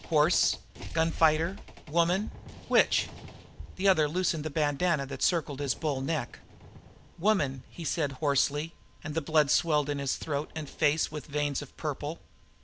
Horse gun fighter woman; which?" The other loosened the bandanna which circled his bull neck. "Woman," he said hoarsely, and the blood swelled his throat and face with veins of purple.